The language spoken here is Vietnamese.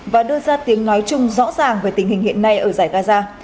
và đưa ra tiếng nói chung rõ ràng về tình hình hiện nay ở giải gaza